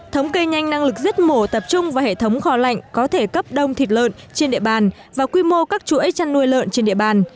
thống kê nhanh năng lực giết mổ tập trung vào hệ thống kho lạnh có thể cấp đông thịt lợn trên địa bàn và quy mô các chuỗi chăn nuôi lợn trên địa bàn